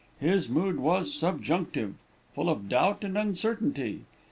His mood was subjunctive, full of doubt and uncertainty.